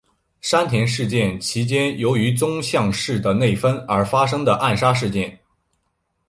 山田事件其间由于宗像氏的内纷而发生的暗杀事件。